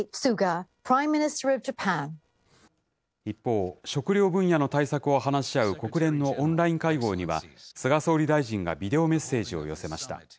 一方、食料分野の対策を話し合う国連のオンライン会合には、菅総理大臣がビデオメッセージを寄せました。